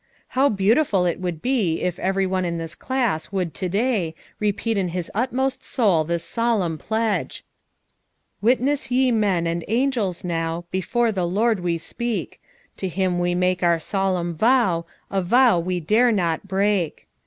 How beautiful it would be if every one in this class would to day repeat in his in most soul this solemn pledge: a i "Witness yo men and angels now Before the Lord we speak ; To him we make our solemn vow A vow we dare not break.